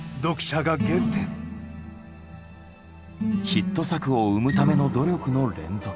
ヒット作を生むための努力の連続。